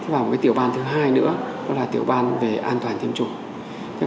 và một cái tiểu ban thứ hai nữa đó là tiểu ban về an an toàn thiêm chủng